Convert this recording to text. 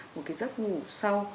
một cái giấc ngủ sâu